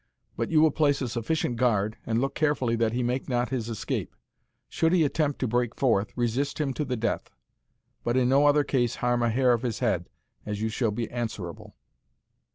But you will place a sufficient guard, and look carefully that he make not his escape. Should he attempt to break forth, resist him to the death; but in no other case harm a hair of his head, as you shall be answerable."